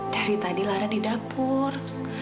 dari tadi lara di dapur